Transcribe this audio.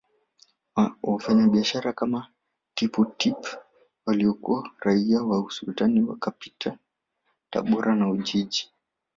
Wafanyabiashara kama Tippu Tip waliokuwa raia wa Usultani wakapita Tabora na Ujiji